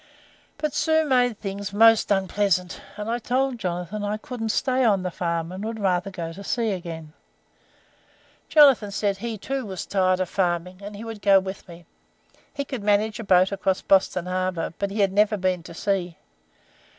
"But Sue made things most unpleasant, and I told Jonathan I couldn't stay on the farm, and would rather go to sea again. Jonathan said he, too, was tired of farming, and he would go with me. He could manage a boat across Boston Harbour, but he had never been to sea.